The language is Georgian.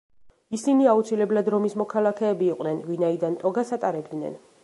ისინი აუცილებლად რომის მოქალაქეები იყვნენ, ვინაიდან ტოგას ატარებდნენ.